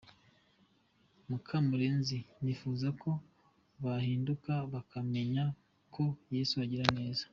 Mukamurenzi : Nifuza ko bahinduka bakamenya ko Yesu agira neza.